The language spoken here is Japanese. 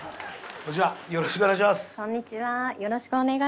こんにちはよろしくお願いします